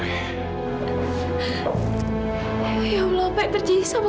itu dari pertandaan